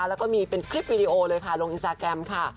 แล้วก็มีเป็นคลิปวิดีโอเลยค่ะลงอินสตาแกรมค่ะ